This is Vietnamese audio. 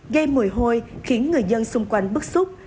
gây mùi hôi khiến người dân xung quanh bức xúc